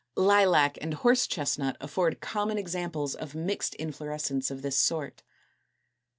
Lilac and Horse chestnut afford common examples of mixed inflorescence of this sort.